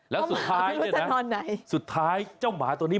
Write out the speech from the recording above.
แล้วสุดท้ายสุดท้ายเจ้าหมาตัวนี้